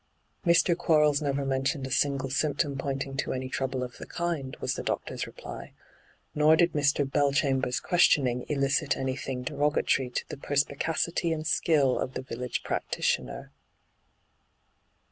'Mr. Quarles never mentioned a single symptom pointing to any trouble of the kind,* was the doctor's reply. Nor did Mr, Bel ohamber's questioning elicit anything dero gatory to the perspicacity and skill of the village practitioner.